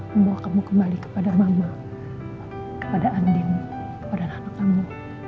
membawa kamu kembali kepada mama kepada andin kepada anak kamu